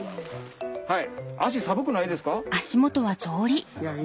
足寒くないですか？